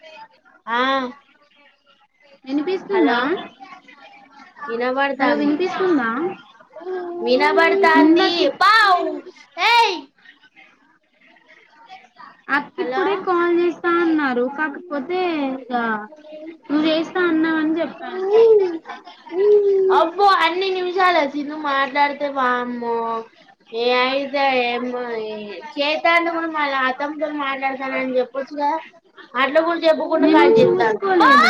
రే ఆ వినిపిస్తుందా hello hello ఇనవడుతాంది వినిపిస్తుందా ఆ వినవడుతాంది ఇందాకి పావ్ ఏయ్ హలో అక్కిప్పుడే కాల్ చేస్ స్తా అన్నారు. కాకపోతే, ఇగా నువ్వ చేస్తా అన్నావని చెప్పాను. చాలే తిను మాట్లాడితే వామ్మో ఏ అయితే ఏమో ఈ చెత్తాండు కూడ మల తం మాట్లాడతానని చెప్పొచ్చు కదా, అట్ల కూడ చెప్పకుండ నేను కట్ చెత్తాండు. చూసుకోలేదు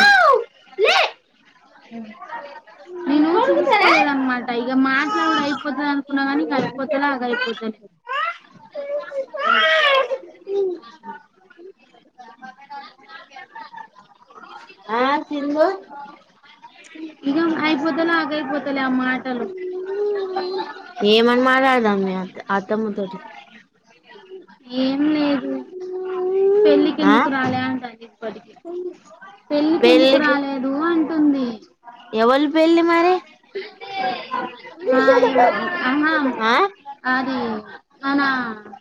ఉ ఇగ మాట్లాడుడు అయిపోతది అనుకున్నా గాని, ఇదయిపోతలే అదయిపోతలే ఉ ఆ సిందూ పొతే లాక్ అయిపో ఏమని మాట్లాడదాం మే అ అత్తమ్మ తోటి? ఏం లేదు. పెళ్ళికి ఆ ఎందుకు రాలా అంటది ఇప్పటికి పెళ్ళికి ఎందుకు రాలేదు అన్ ఉంది ఎవల్ పెళ్లి మరి ఆ ఆ మనా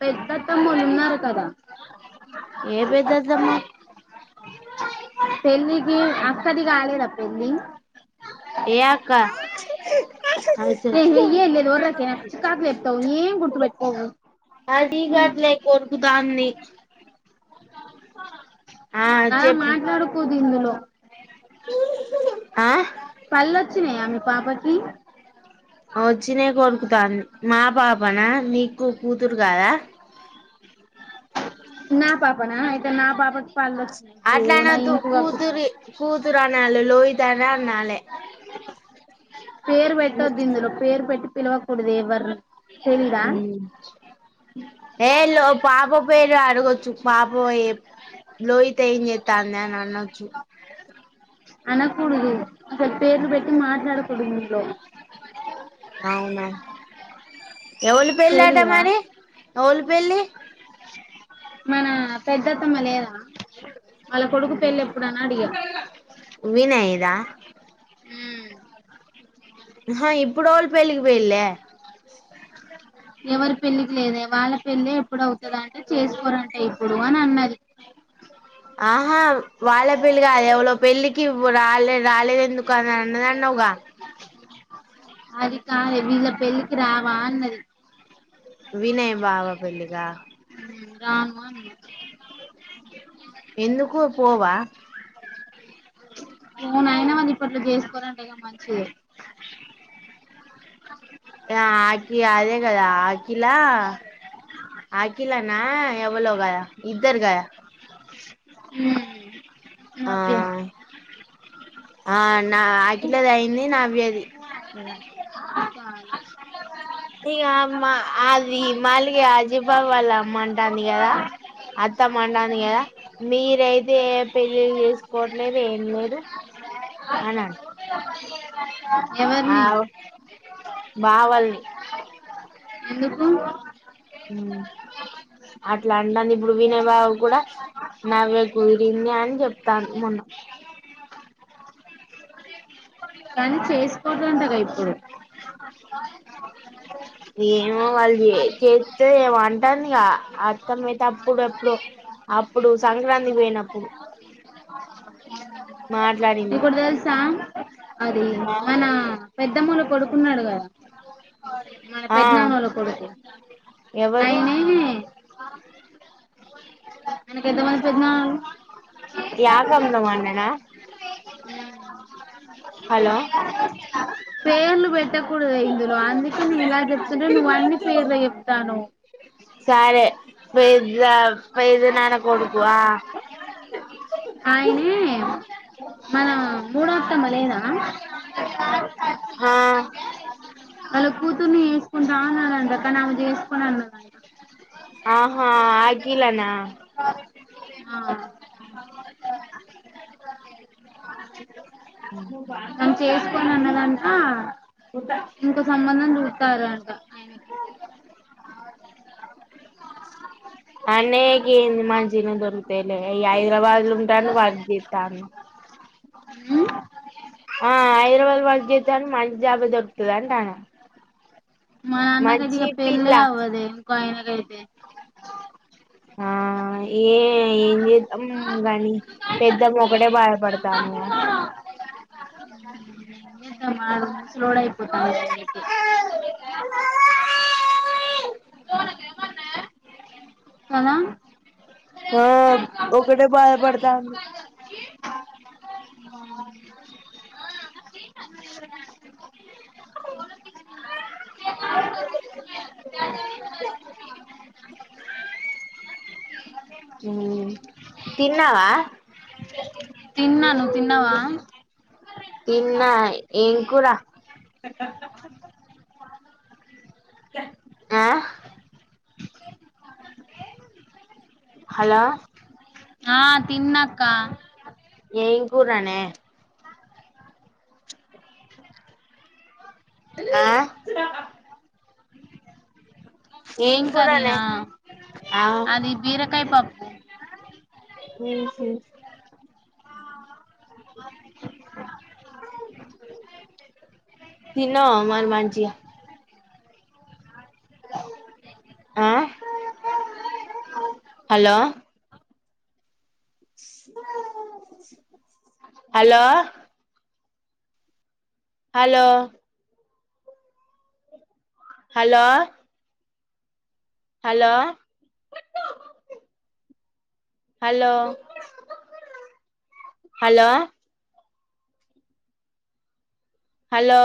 పెద్ద తమ్మొల్లు ఉన్నారు కదా ఏ పేదదమ్మ పెళ్లికి అక్కది కాలేద పెళ్లి ఏ అక్క ఏహే ఏలేదు ఒర్రకే నాకు చికాకు లేపుతావు ఏం గుర్తుపెట్టుకోవు అది కాదులే కోరుకుతాంది ఆ చెప్పు మాట్లాడుకుద్ ఇందలో ఆ పలొచ్చినాయ మీ ప పాపకి వచ్చినే కొరుకుతాంది మా పాపనా నీకు కూతురు కాదా నా పాపన అయితే నా పాపకీ పళ్ళు వచ్చినయి అట్లా బోనా అనొద్దు ఇంకు కాకుతాంది కూతురి కూతురు అనాలి లోహిత అని అనాలే పేరు పెట్టద్దు ఇందులో పేరు పెట్టి పిలవకూడదు ఎవరు ఏ లో పాప పేరు అడుగు చూ పాప ఏం లోహిత ఏం చేతంది అని అనొచ్చు అనకూడదు అసలు పేర్లు బేట్టి మాట్లాడ కుడుంగలోు అవునా ఎవుళ పెళ్లట తెలీదా మరి ఎవుళ పెళ్లి మన పెద్దత్తమ్మ లేదా వాళ్ళ కొడుకు పెళ్లి వినయ్దా హ ఆ ఇప్పుడు ఏవాలి పెళ్లికిపోయిలే ఎవరి పెళ్లికి లేదే వాళ్ళ పెళ్లి ఎప్పుడువుతుద అంటే చేసి చూరంటే ఇప్పుడు అని అన్నది ఆహా వాళ్ళ పెళ్లి కాదు ఎవలో పెళ్ళికి రాలే రాలేదు ఎందుకు అని అన్నదన్నావగా అది కాదే వీళ్ళ పెళ్ళకి రా వ అన్నది వినయ్ బావ పెళ్లిక రానుమా అన్నా ఎందుకు పోవా ఎనా మంది ఇప్పట్లో చేసుకోనంటే మంచిది ఏ అఖి అదే కదా అఖిల అఖిలానా ఎవలో కదా ఇద్దరు కదా హ్మ్ ఆ ఆ నా అఖిలది అయింది నవ్యది [unintelligible] ఇక మా అది మళ్ళీ అజీబావ వాళ్ళ అమ్మ అంటుంది కదా అత్తమ్మంటంది కదా మీరయితే ఏ పెళ్లి చేసుకోవట్లేదు ఏం లేదు అని అంట ఆ ఎవరిని బావాలని ఎందుకు అట్లా అడాని ముప్పుడు వినేవారు కూడా నవ్వే కుదిరింది అని చెప్తాను మొన్న కానీ చేసికోతుంటగా ఇప్పుడు ఏమో వాళ్ళు చే చేస్తే ఏమో అంటుందిగా అర్థం అయితే అప్పుడు ఎప్పుడు అప్పుడు సంక్రాంతి పోయినప్పుడు ఇ మాట్లాడింది కొ స అది మన పెద్ద ద్దములు పడుకున్నాడు గదా మన ఆ పెద్నాన్న వాళ్ళ కొడుతే ఎవరు అయినే ఆ యాకమ్లమాండనా పేర్లు పెట్టకూడదు ఇందులో అందుకే నే ఇలా చెప్తుండే నువ్వ అన్ని పేర్లు చెప్తాను సరే పెద్ద పెద్ద నాన్న కొడుకు ఆ ఆయనే మన మూడో మలనా ఆ హా వాళ్ళు కూతుర్ని చేసుకుంటా అన్నాండి అక్కడ నవి చేసుకున్నా మ ఆహా ఆగిలానా ఆ మం చేసుకోని అన్నదక ఇంకో సంబంధం చూ తారా అంట అన అనేగంది మాజిన దొరుకుతలే హైదరాబాద్లు ఉంటాను వర్దితాను అ ఆ హైదరాబాద్ వాళ్ళ చేతాని మంచి జాబా దొరుకుతుంది అంటాను మా నాన్నకాటి పేళ్లే అవద కైనా కాయితే ఆ ఏ ఉ కాగాని పెద్దమ ఒకటే బాయపడతాను స డపోతా కదా ఆ ఒక టే భయపడుతంది అ హ తిన్నావా తిన్నా నువ్వు తిన్నావా ఎమ్న్నా ఏం కూరా ఆ హలో ఆ తిన్నాక్క ఎం కూరనే ఆ ఏం కూరనే ఆ కాయ్ పప్పు మ్ హు తిన్నావా మరి మంచిగా ఆ hello hello hello hello hello hello hello hello